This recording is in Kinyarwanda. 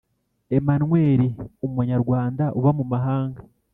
Emmanuel umunyarwanda uba mumahanga